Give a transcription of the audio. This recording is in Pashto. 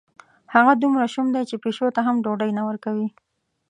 هغه دومره شوم دی، چې پیشو ته هم ډوډۍ نه ورکوي.